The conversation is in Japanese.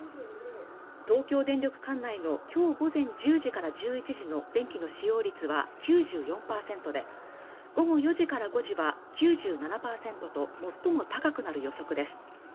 東京電力管内のきょう午前１０時から１１時の電気の使用率は９４％で午後４時から５時は９７％と最も高くなる予測です